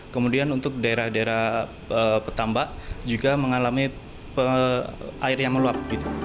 kemudian untuk daerah daerah petambak juga mengalami air yang meluap